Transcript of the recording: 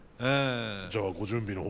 じゃあご準備の方を。